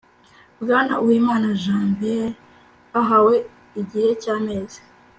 Bwana UWIMANA Janvi re ahawe igihe cy amezi